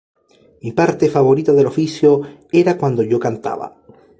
Mi parte favorita del oficio era cuando yo cantaba"".